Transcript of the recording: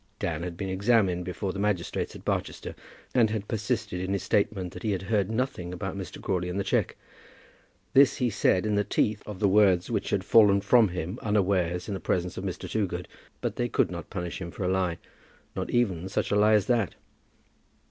Dan had been examined before the magistrates at Barchester, and had persisted in his statement that he had heard nothing about Mr. Crawley and the cheque. This he said in the teeth of the words which had fallen from him unawares in the presence of Mr. Toogood. But they could not punish him for a lie, not even for such a lie as that!